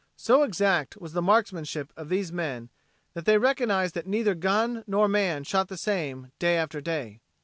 So exact was the marksmanship of these men that they recognized that neither gun nor man shot the same, day after day.